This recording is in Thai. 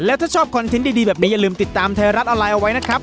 แล้วถ้าชอบคอนเทนต์ดีแบบนี้อย่าลืมติดตามไทยรัฐออนไลน์เอาไว้นะครับ